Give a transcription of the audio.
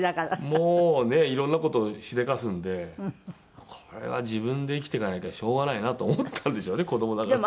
もうねいろんな事をしでかすのでこれは自分で生きていかなきゃしょうがないなと思ったんでしょうね子どもながら。